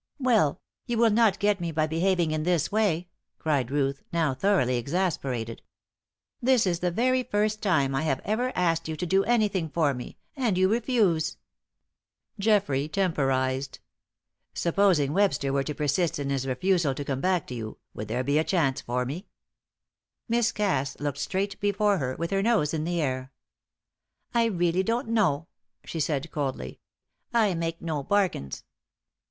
"Well, you will not get me by behaving in this way!" cried Ruth, now thoroughly exasperated. "This is the very first time I have ever asked you to do anything for me, and you refuse!" Geoffrey temporised. "Supposing Webster were to persist in his refusal to come back to you, would there be a chance for me?" Miss Cass looked straight before her, with her nose in the air. "I really don't know," she said coldly. "I make no bargains."